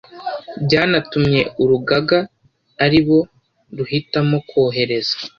byanatumye Urugaga aribo ruhitamo kohereza